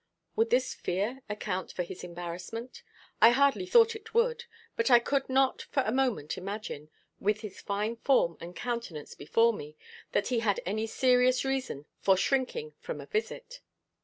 Would this fear account for his embarrassment? I hardly thought it would; but I could not for a moment imagine, with his fine form and countenance before me, that he had any serious reason for shrinking from a visit.